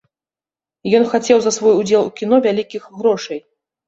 Ён хацеў за свой удзел у кіно вялікіх грошай.